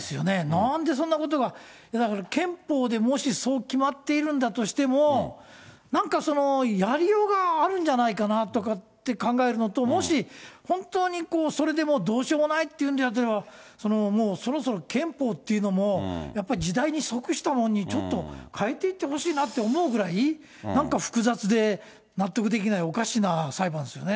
なんでそんなことが、だから憲法でもし、そう決まっているんだとしても、なんか、やりようがあるんじゃないかなとかって考えるのと、もし本当にそれでもう、どうしようもないっていうんであれば、もうそろそろ憲法というのも、やっぱり時代にそくしたものに、ちょっと変えていってほしいって思うぐらい、なんか複雑で、納得できない、おかしな裁判ですよね。